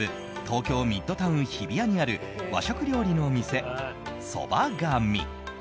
東京ミッドタウン日比谷にある和食料理の店、そばがみ。